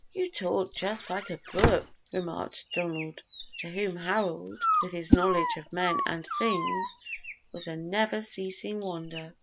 "You talk just like a book," remarked Donald, to whom Harold, with his knowledge of men and things, was a never ceasing wonder.